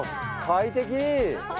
快適！